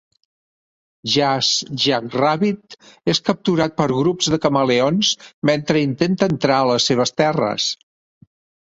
Jazz Jackrabbit és capturat per grups de camaleons mentre intenta entrar a les seves terres.